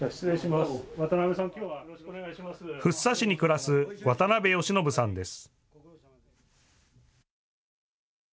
福生市に暮らす渡邉宜信さんです。